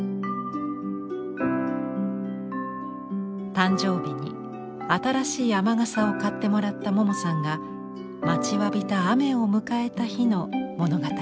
誕生日に新しい雨傘を買ってもらったモモさんが待ちわびた雨を迎えた日の物語です。